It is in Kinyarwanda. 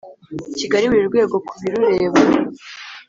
Kigali buri rwego ku birureba